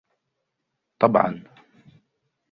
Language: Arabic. طبعاً!